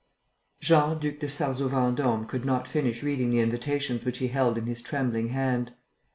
Jean Duc de Sarzeau Vendôme could not finish reading the invitations which he held in his trembling hand.